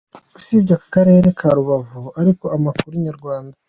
Usibye aka karere ka Rubavu ariko amakuru Inyarwanda.